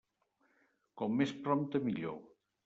Com més prompte millor.